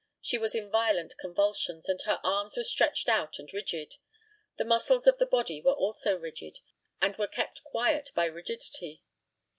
She was in violent convulsions, and her arms were stretched out and rigid. The muscles of the body were also rigid; they were kept quiet by rigidity.